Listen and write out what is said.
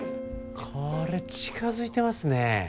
これ近づいてますね。